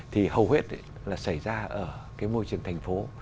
thì hầu hết là xảy ra ở cái môi trường thành phố